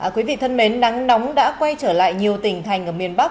quý vị thân mến nắng nóng đã quay trở lại nhiều tỉnh thành ở miền bắc